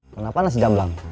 kenapa nasi jamblang